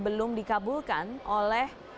belum dikabulkan oleh